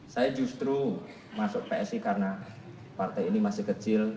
saya justru masuk psi karena partai ini masih kecil